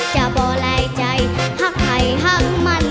จะบ่รายใจหักไข่หักมัน